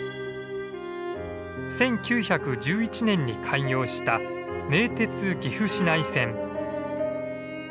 １９１１年に開業した名鉄岐阜市内線。